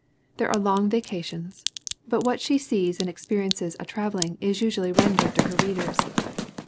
There are long vacations, but what she sees and experiences a traveling is usually rendered to her readers.